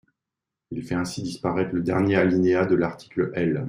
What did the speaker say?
Il fait ainsi disparaître le dernier alinéa de l’article L.